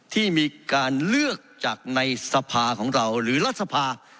ที่มีการเลือกจากในสภาของเราหรือรัฐสภา